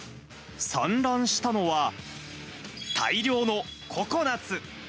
散乱したのは、大量のココナツ。